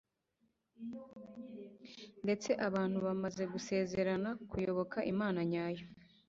ndetse abantu bamaze gusezerana kuyoboka Imana nyayo